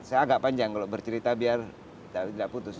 saya agak panjang kalau bercerita biar tidak putus